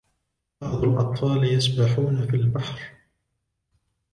بعض الأطفال يسبحون في البحر